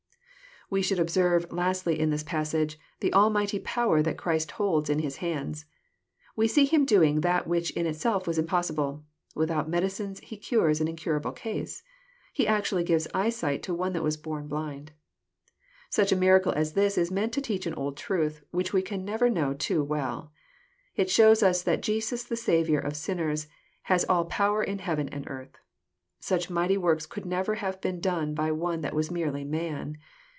We should observe, lastly, in this passage, the almighty power that Christ holds in His hands. We see Him doing that which in itself was impossible. Without medicines He cures an incurable case. He actually gives eyesight to one that was born blind. Such a miracle as this is meant to teach an old truth, which we can never know too well. It shows us that Jesus the Saviour of sinners ^^ has all power in heaven and earth." Such mighty works could never have been done by one that was merely man.